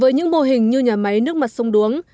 với những mô hình như nhà máy nước mặt sông đuống